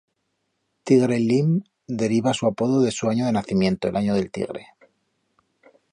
Tigre Lim deriva su apodo de su año de nacimiento, el Año del Tigre.